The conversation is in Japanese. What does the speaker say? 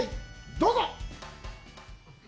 どうぞ！